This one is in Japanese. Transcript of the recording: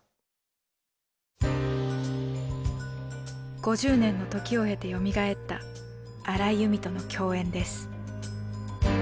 ５０年の時を経てよみがえった荒井由実との共演です。